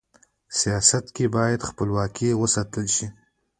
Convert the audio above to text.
سیاست کي بايد خپلواکي و ساتل سي.